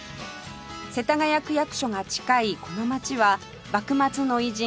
世田谷区役所が近いこの街は幕末の偉人